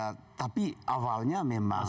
ya tapi awalnya memang